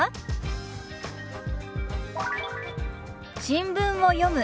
「新聞を読む」。